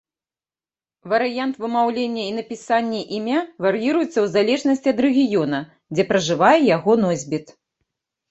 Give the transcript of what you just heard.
Варыянт вымаўлення і напісанні імя вар'іруецца ў залежнасці ад рэгіёна, дзе пражывае яго носьбіт.